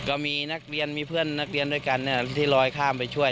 ก็มีนักเรียนมีเพื่อนนักเรียนด้วยกันที่ลอยข้ามไปช่วย